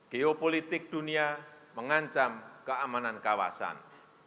geopolitik dunia mengancam keamanan kawasan